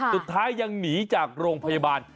สุดท้ายยังหนีจากโรงพยาบาล